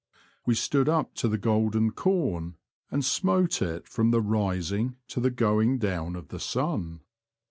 We stood up to the golden corn and smote it from the rising to the going down of the sun.